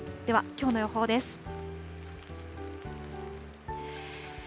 ではきょうの予報です。